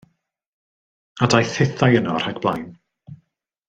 A daeth hithau yno rhag blaen.